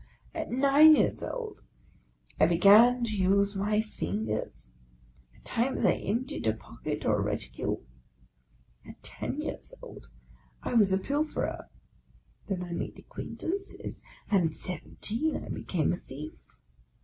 At nine years old I began to use my fingers ; at times I emptied a pocket or a reticule ; at ten years old I was a pil ferer : then I made acquaintances, and at seventeen I became a thief.